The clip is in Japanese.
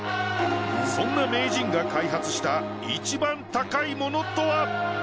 そんな名人が開発した一番高いモノとは？